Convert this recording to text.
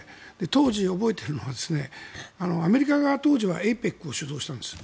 当時、覚えているのはアメリカが当時はＡＰＥＣを主導していたんです。